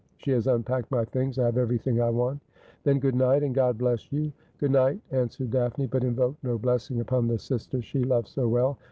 She has unpacked my things. I have everything I want.' ' Then good night, and G od bless you.' ' Good night,' answered Daphne, but invoked no blessing upon the sister she loved so well.